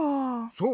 そう！